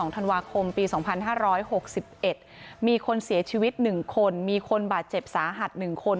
ธันวาคมปี๒๕๖๑มีคนเสียชีวิต๑คนมีคนบาดเจ็บสาหัส๑คน